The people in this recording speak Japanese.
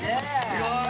すごい！